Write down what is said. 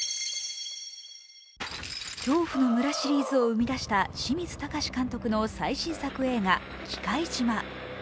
「恐怖の村」シリーズを生み出した清水崇監督の最新作映画「忌怪島」。